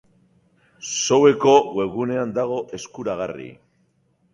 Show-eko webgunean dago eskuragarri.